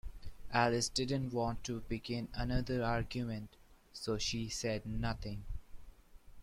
Alice didn’t want to begin another argument, so she said nothing.